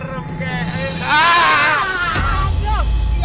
jangan gitu dong